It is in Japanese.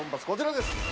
こちらです。